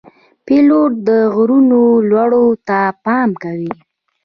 پیلوټ د غرونو لوړو ته پام کوي.